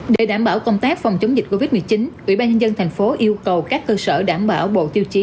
để đảm bảo công tác phòng chống dịch covid một mươi chín ủy ban nhân dân thành phố yêu cầu các cơ sở đảm bảo bộ tiêu chí